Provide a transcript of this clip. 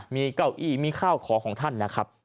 มีเก้าอี้มีข้าวของของท่านนะครับ